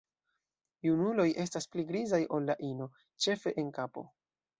Junuloj estas pli grizaj ol la ino, ĉefe en kapo.